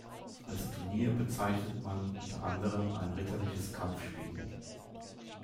Als Turnier bezeichnet man unter anderem ein ritterliches Kampfspiel.